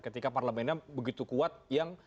ketika parlemennya begitu kuat yang